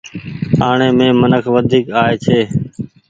آڻي مين منک وڍيڪ آئي ڇي۔